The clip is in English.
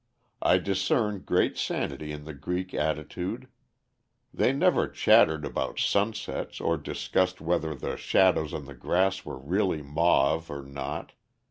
I discern great sanity in the Greek attitude. They never chattered about sunsets, or discussed whether the shadows on the grass were really mauve or not.